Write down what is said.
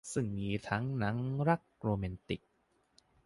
ซึ่งมีทั้งหนังรักโรแมนติก